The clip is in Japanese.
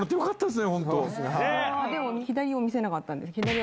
でも左を見せなかったんです。